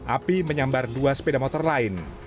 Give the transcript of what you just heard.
api menyambar dua sepeda motor lain